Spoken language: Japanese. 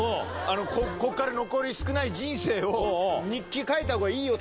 こっから残り少ない人生を日記書いたほうがいいよ。